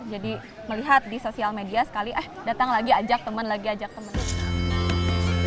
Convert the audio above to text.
jadi melihat di sosial media sekali eh datang lagi ajak temen lagi ajak temen